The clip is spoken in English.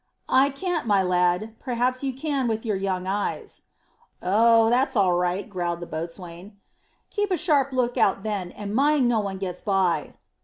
"I can't, my lad. Perhaps you can with your young eyes." "Oh, it's all right," growled the boatswain. "Keep a sharp look out, then, and mind no one gets by."